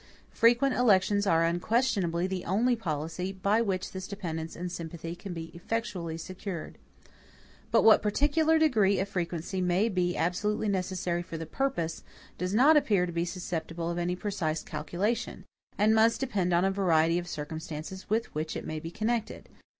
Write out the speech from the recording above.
Frequent elections are unquestionably the only policy by which this dependence and sympathy can be effectually secured. But what particular degree of frequency may be absolutely necessary for the purpose, does not appear to be susceptible of any precise calculation, and must depend on a variety of circumstances with which it may be connected.